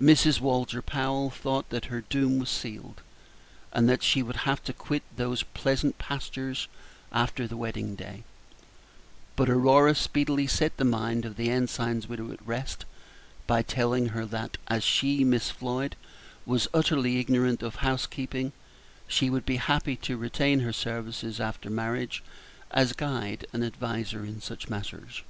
Mrs. Walter Powell thought that her doom was sealed, and that she would have to quit those pleasant pastures after the wedding day; but Aurora speedily set the mind of the ensign's widow at rest by telling her that as she, Miss Floyd, was utterly ignorant of housekeeping, she would be happy to retain her services after marriage as guide and adviser in such matters.